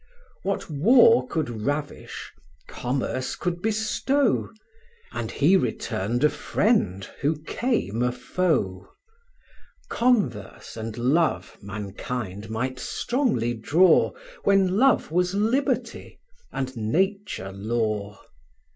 What war could ravish, commerce could bestow, And he returned a friend, who came a foe. Converse and love mankind might strongly draw, When love was liberty, and Nature law.